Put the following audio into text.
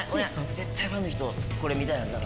絶対ファンの人、これ見たいはずだから。